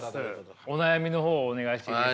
お悩みの方お願いしていいですか？